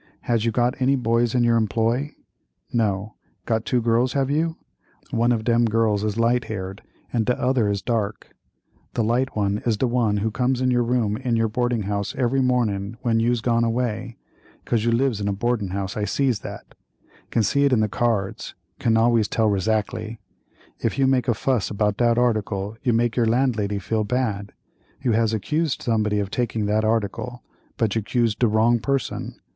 Has you got any boys in yer employ? No. Got two girls have you? One of dem girls is light haired and de other is dark—the light one is de one who comes in your room in your boarding house every morning when you'se gone away—'cause you lives in a boardin' house, I sees that—can see it in the cards, can always tell razackly. If you make a fuss about dat article you make your landlady feel bad. You has accused somebody of taking that article, but you 'cused de wrong person.